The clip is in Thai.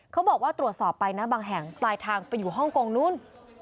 เขาบอกว่าตรวจสอบไปนะบางแห่งปลายทางไปอยู่ฮ่องกงนู้น